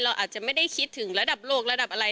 เราอาจจะไม่ได้คิดถึงระดับโลกระดับอะไร